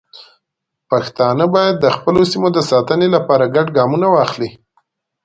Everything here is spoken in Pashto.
پښتانه باید د خپلو سیمو د ساتنې لپاره ګډ ګامونه واخلي.